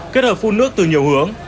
kết hợp phun nước từ nhiều hứa